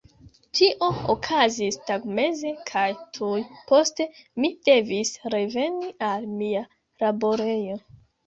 Tio okazis tagmeze, kaj tuj poste mi devis reveni al mia laborejo.